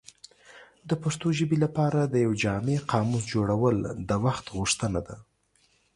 د پښتو ژبې لپاره د یو جامع قاموس جوړول د وخت غوښتنه ده.